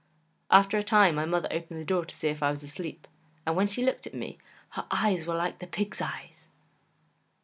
After a time my mother opened the door to see if I was asleep, and when she looked at me, HER EYES WERE LIKE THE PIG'S EYES.